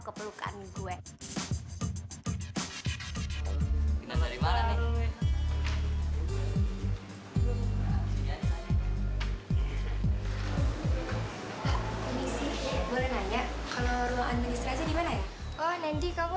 kayak yang nyanyi sama dirli